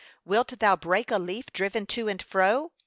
Wilt thou break a leaf driven to and fro?